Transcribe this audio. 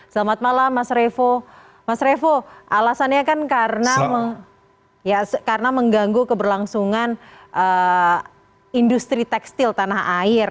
selamat malam mas revo mas revo alasannya kan karena mengganggu keberlangsungan industri tekstil tanah air